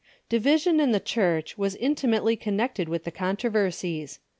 ] Division in the Church was intimately connected with the controversies.